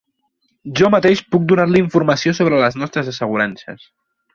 Jo mateix puc donar-li informació sobre les nostres assegurances.